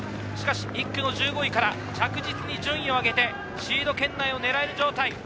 しかし、１区の１５位から着実に順位を上げてシード圏内を狙える状態。